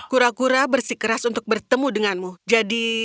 kura kura bersikeras untuk bertemu denganmu